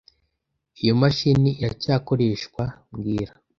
Iyo mashini iracyakoreshwa mbwira